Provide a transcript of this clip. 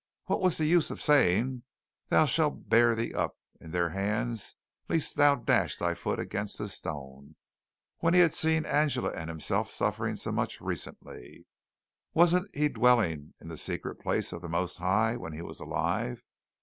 What was the use of saying, "They shall bear thee up in their hands lest thou dash thy foot against a stone," when he had seen Angela and himself suffering so much recently? Wasn't he dwelling in the secret place of the Most High when he was alive?